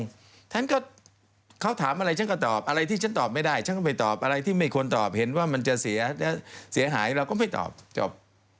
เพราะฉะนั้นก็เขาถามอะไรฉันก็ตอบอะไรที่ฉันตอบไม่ได้ฉันก็ไม่ตอบอะไรที่ไม่ควรตอบเห็นว่ามันจะเสียหายเราก็ไม่ตอบจบ